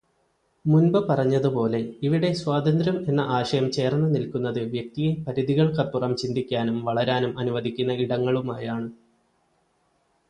മുൻപ് പറഞ്ഞതുപോലെ, ഇവിടെ സ്വാതന്ത്ര്യം എന്ന ആശയം ചേർന്ന് നിൽക്കുന്നത് വ്യക്തിയെ പരിധികൾക്കപ്പുറം ചിന്തിക്കാനും വളരാനും അനുവദിക്കുന്ന ഇടങ്ങളുമായാണ്.